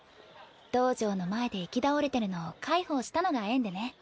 道場の前で行き倒れてるのを介抱したのが縁でね。